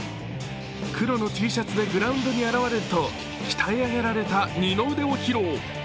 黒のＴシャツでグラウンドに現れると鍛え上げられた二の腕を披露。